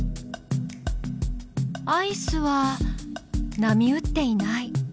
アイスは波打っていない。